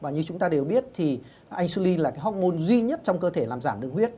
như chúng ta đều biết insulin là hormôn duy nhất trong cơ thể làm giảm đường huyết